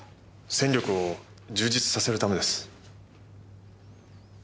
戦力を充実させるためです。